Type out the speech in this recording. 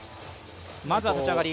まずは立ち上がり。